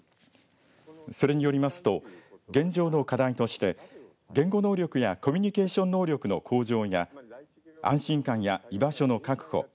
それによりますと現状の課題として言語能力やコミュニケーション能力の向上や安心感や居場所の確保。